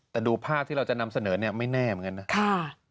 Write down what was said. แต่ดูภาพที่เราจะนำเสนอเนี่ยไม่แน่เหมือนกันนะ